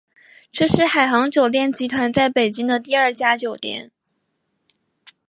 这是海航酒店集团在北京的第二家酒店。